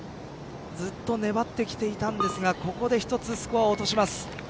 ずっと粘ってきていたんですがここで１つスコアを落とします。